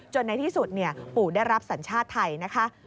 ในที่สุดปู่ได้รับสัญชาติไทยนะคะ